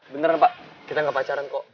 beneran pak kita nggak pacaran kok